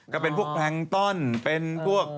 ก็เป็นพวกแพลงต้อนเป็นพวก